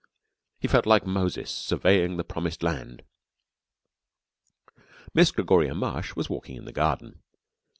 He felt like Moses surveying the Promised Land. Miss Gregoria Mush was walking in the garden.